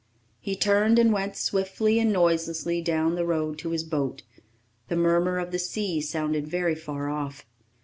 He turned and went swiftly and noiselessly down the road to his boat. The murmur of the sea sounded very far off.